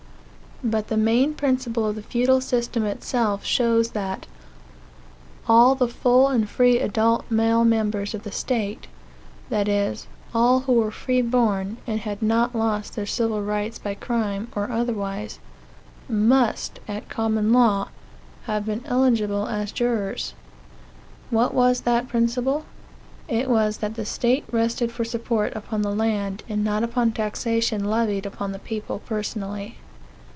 But the main principle of the feudal system itself, shows that all the full and free adult male members of the state that is, all who were free born, and had not lost their civil rights by crime, or otherwise must, at common law, have been eligible as jurors. What was that principle? It was, that the state rested for support upon the land, and not upon taxation levied upon the people personally.